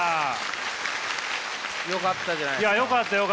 よかったじゃないですか。